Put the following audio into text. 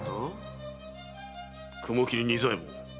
雲切仁左衛門。